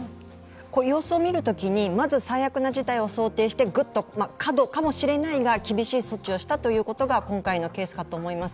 様子を見るときにまず、最悪な事態を想定してグッと過度かもしれないけど、厳しい措置をしたというのが今回のケースかと思います。